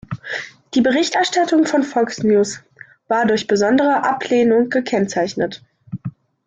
Die Berichterstattung von "Fox News" war durch besondere Ablehnung gekennzeichnet.